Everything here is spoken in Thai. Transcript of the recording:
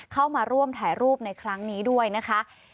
เข้ามาร่วมถ่ายรูปในครั้งนี้ด้วยนะคะ